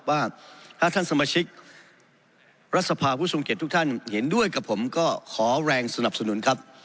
ว่าถ้าท่านสมาชิกรัฐสภาผู้ทรงเกียจทุกท่านเห็นด้วยกับผมก็ขอแรงสนับสนุนครับ